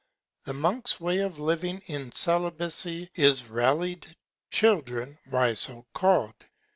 The Monks Way of living in Celibacy is rally'd. Children, why so call'd.